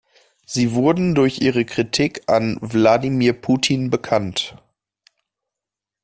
Sie wurde durch ihre Kritik an Wladimir Putin bekannt.